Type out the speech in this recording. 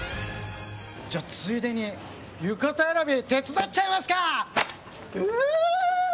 じゃあついでに浴衣選び手伝っちゃいますか！